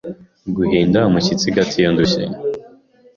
guhinda umushyitsi gato iyo ndushye